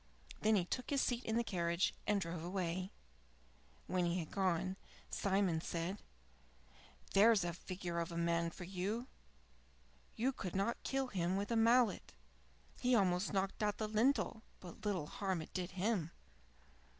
Then he took his seat in the carriage and drove away. When he had gone, Simon said: "There's a figure of a man for you! You could not kill him with a mallet. He almost knocked out the lintel, but little harm it did him."